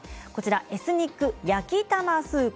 エスニック焼きたまスープ。